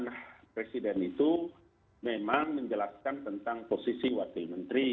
nah presiden itu memang menjelaskan tentang posisi wakil menteri